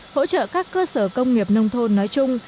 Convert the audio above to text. hỗ trợ các cơ sở công nghiệp nông thôn nói chung